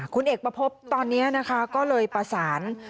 คุณเอกประพบตอนนี้นะคะก็เลยประสาน